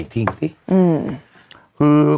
เมื่อ